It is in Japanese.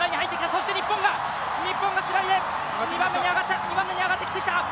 そして日本が、日本が、白井が、２番目に上がってきた！